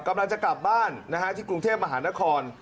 กำลังจะกลับบ้านที่กรุงเทพมหานคร